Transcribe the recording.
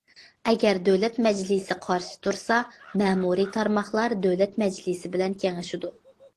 ئەگەر دۆلەت مەجلىسى قارشى تۇرسا، مەمۇرىي تارماقلار دۆلەت مەجلىسى بىلەن كېڭىشىدۇ.